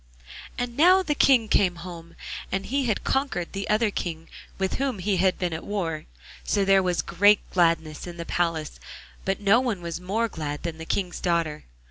And now the King came home, and he had conquered the other King with whom he had been at war. So there was great gladness in the palace, but no one was more glad than the King's daughter.